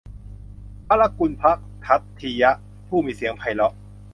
พระลกุณฎกภัททิยะ ผู้มีเสียงไพเราะ